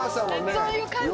そういう感じ。